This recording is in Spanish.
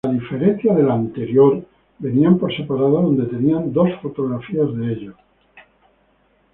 A diferencia de la anterior, venían por separado donde tenían fotografías de ellos.